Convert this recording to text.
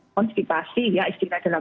konsipasi ya istilah dalam